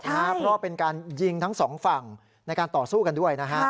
เพราะเป็นการยิงทั้งสองฝั่งในการต่อสู้กันด้วยนะฮะ